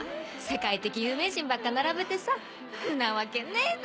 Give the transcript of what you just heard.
世界的有名人ばっか並べてさんなわけねえだろ！